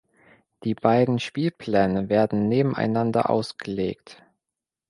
Die beiden Spielpläne werden nebeneinander ausgelegt.